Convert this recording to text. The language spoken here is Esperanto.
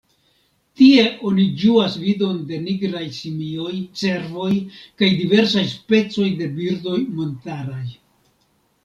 Tie oni ĝuas vidon de nigraj simioj, cervoj kaj diversaj specoj de birdoj montaraj.